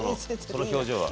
その表情は。